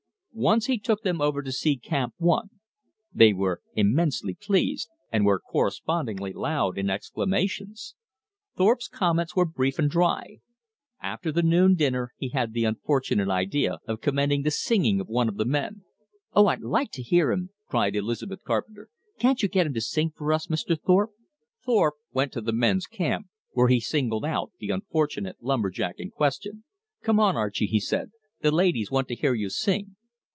Once he took them over to see Camp One. They were immensely pleased, and were correspondingly loud in exclamations. Thorpe's comments were brief and dry. After the noon dinner he had the unfortunate idea of commending the singing of one of the men. "Oh, I'd like to hear him," cried Elizabeth Carpenter. "Can't you get him to sing for us, Mr. Thorpe?" Thorpe went to the men's camp, where he singled out the unfortunate lumber jack in question. "Come on, Archie," he said. "The ladies want to hear you sing."